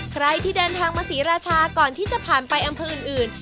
ใครที่เดินทางมาศรีราชาก่อนที่จะผ่านไปอำเภออื่น